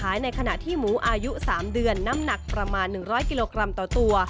อายุ๓เดือนน้ำหนักประมาณ๑๐๐กิโลกรัมต่อตัว